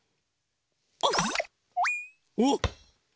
おっ！